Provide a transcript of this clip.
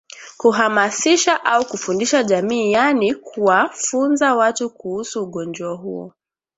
Kuhamasisha au kufundisha jamii yaani kuwafunza watu kuuhusu ugonjwa huo